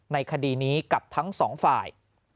ในคดีนี้กับทั้งสองฝ่าย